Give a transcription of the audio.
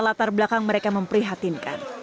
latar belakang mereka memprihatinkan